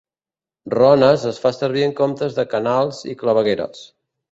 "Rones" es fa servir en comptes de "canals" i "clavegueres".